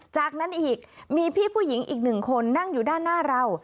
จากนั้นอีกมีพี่ผู้หญิงอีกหนึ่งคนนั่งอยู่ด้านหน้าเรา